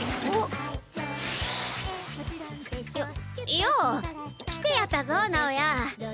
よよう来てやったぞ直也。